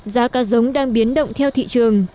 giá cá giống đang biến động theo thị trường